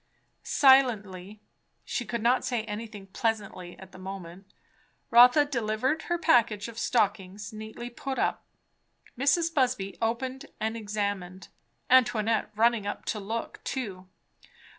Silently, she could not say anything "pleasantly" at the moment, Rotha delivered her package of stockings neatly put up. Mrs. Busby opened and examined, Antoinette running up to look too.